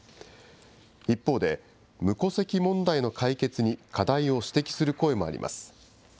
一方で、無戸籍問題の解決に課題を指摘する声もあります。